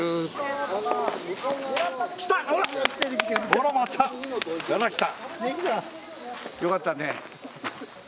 ほら回った。よかったね。